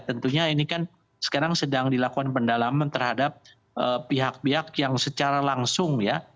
tentunya ini kan sekarang sedang dilakukan pendalaman terhadap pihak pihak yang secara langsung ya